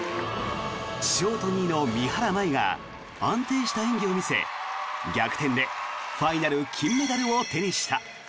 ショート２位の三原舞依が安定した演技を見せ逆転でファイナル金メダルを手にした。